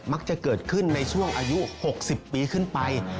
มักจะเกิดขึ้นในช่วงอายุ๖๐ปีขึ้นไป